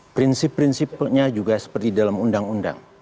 prinsip prinsipnya juga seperti dalam undang undang